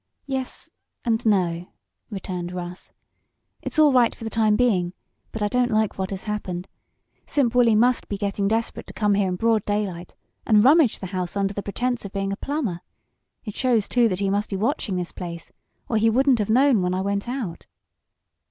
"Yes and no," returned Russ. "It's all right, for the time being, but I don't like what has happened. Simp Wolley must be getting desperate to come here in broad daylight and rummage the house under the pretense of being a plumber. It shows, too, that he must be watching this place, or he wouldn't have known when I went out."